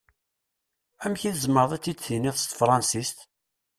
Amek i tzemreḍ ad t-id-tiniḍ s tefṛansist?